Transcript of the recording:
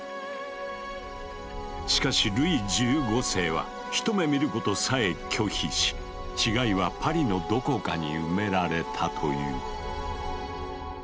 しかしルイ１５世は一目見ることさえ拒否し死骸はパリのどこかに埋められたという。